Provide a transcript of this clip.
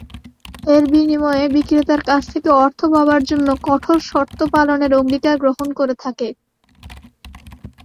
এর বিনিময়ে বিক্রেতার কাছ থেকে অর্থ পাবার জন্য কঠোর শর্ত পালনের অঙ্গীকার গ্রহণ করে থাকে।